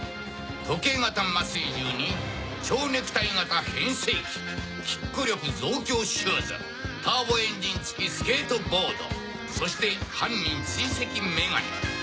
時計型麻酔銃に蝶ネクタイ型変声機キック力増強シューズターボエンジン付きスケートボードそして犯人追跡メガネ。